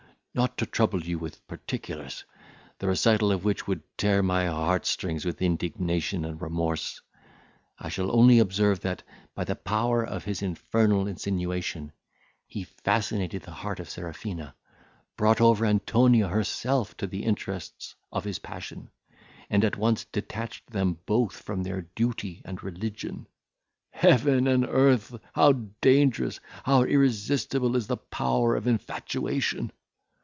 Not to trouble you with particulars, the recital of which would tear my heart strings with indignation and remorse, I shall only observe, that, by the power of his infernal insinuation, he fascinated the heart of Serafina, brought over Antonia herself to the interests of his passion, and at once detached them both from their duty and religion. Heaven and earth! how dangerous, how irresistible is the power of infatuation!